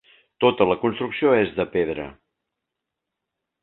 Tota la construcció és de pedra.